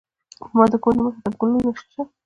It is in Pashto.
زما د کور مخې ته ګلونه شته